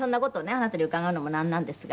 あなたに伺うのもなんなんですが。